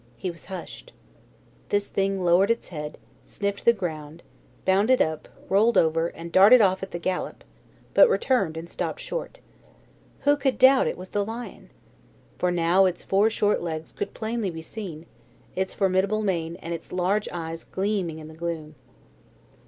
He was hushed. This thing lowered its head, sniffed the ground, bounded up, rolled over, and darted off at the gallop, but returned and stopped short. Who could doubt it was the lion? for now its four short legs could plainly be seen, its formidable mane and its large eyes gleaming in the gloom.